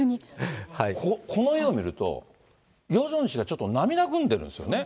この絵を見ると、ヨジョン氏がちょっと涙ぐんでるんですよね。